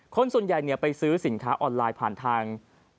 คนส่วนใหญ่ไปซื้อสินค้าออนไลน์ผ่านทาง